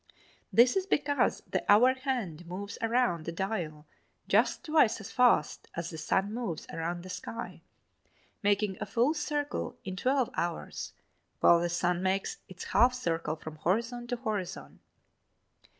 This is because the hour hand moves around the dial just twice as fast as the sun moves around the sky, making a full circle in twelve hours while the sun makes its half circle from horizon to horizon.